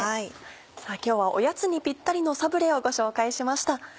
今日はおやつにピッタリのサブレをご紹介しました。